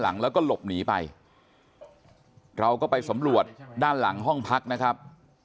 หลังแล้วก็หลบหนีไปเราก็ไปสำรวจด้านหลังห้องพักนะครับ